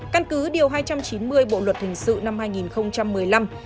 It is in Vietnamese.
căn cứ điều hai trăm chín mươi bộ luật hình sự năm hai nghìn một mươi năm